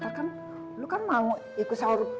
ntar kan lo kan mau ikut saoro